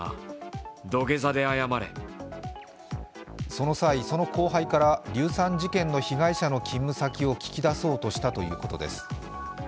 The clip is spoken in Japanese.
その際、その後輩から硫酸事件の被害者の勤務先を聞き出そうとしたということです。